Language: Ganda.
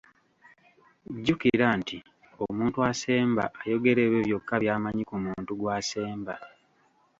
Jjukira nti omuntu asemba, ayogera ebyo byokka by'amanyi ku muntu gw'asemba.